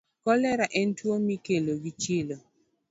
Kolera en tuwo mikelo gi chilo.